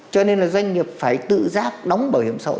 cho nên là doanh nghiệp phải tự giác đóng bảo hiểm xã hội